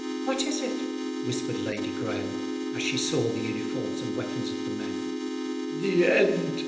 "What is it?" whispered Lady Graeme, as she saw the uniforms and weapons of the men. "The end!"